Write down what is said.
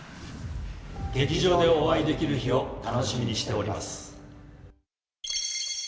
劇場でお会いできる日を楽しみにしております。